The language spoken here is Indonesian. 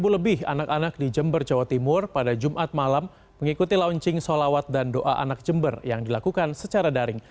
sepuluh lebih anak anak di jember jawa timur pada jumat malam mengikuti launching solawat dan doa anak jember yang dilakukan secara daring